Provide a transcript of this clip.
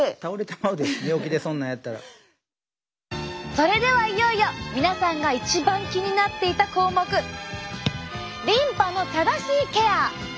それではいよいよ皆さんが一番気になっていた項目「リンパの正しいケア」！